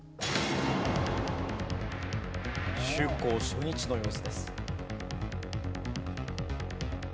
就航初日の様子です。